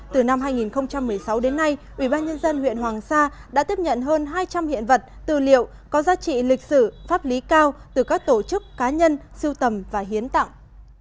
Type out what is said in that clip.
từ năm hai nghìn một mươi sáu đến nay ubnd huyện hoàng sa đã tiếp nhận hơn hai trăm linh hiện vật tư liệu có giá trị lịch sử pháp lý cao từ các tổ chức cá nhân siêu tầm và hiến tặng